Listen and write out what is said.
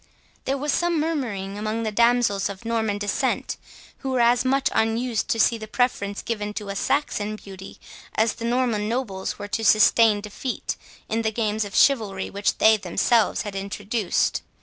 There was some murmuring among the damsels of Norman descent, who were as much unused to see the preference given to a Saxon beauty, as the Norman nobles were to sustain defeat in the games of chivalry which they themselves had introduced.